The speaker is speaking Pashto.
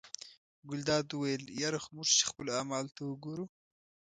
ګلداد وویل یره خو موږ چې خپلو اعمالو ته ګورو.